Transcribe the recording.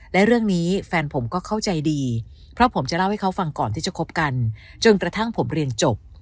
และเรื่องนี้แฟนผมก็เข้าใจดีเพราะผมจะเล่าให้เขาฟังก่อนที่จะคบกันจนกระทั่งผมเรียนจบ